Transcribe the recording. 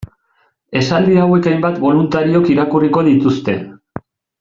Esaldi hauek hainbat boluntariok irakurriko dituzte.